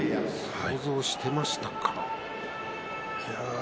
想像してましたか？